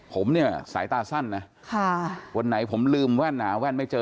ผมเนี่ยสายตาสั้นนะค่ะวันไหนผมลืมแว่นหนาแว่นไม่เจอ